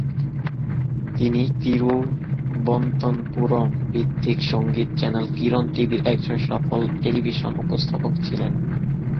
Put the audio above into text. তিনি তিরুবনন্তপুরম ভিত্তিক সঙ্গীত চ্যানেল কিরণ টিভির একজন সফল টেলিভিশন উপস্থাপক ছিলেন।